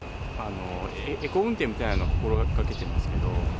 エコ運転みたいなのを心がけてますけど。